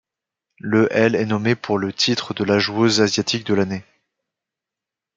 Le elle est nommée pour le titre de joueuse asiatique de l'année.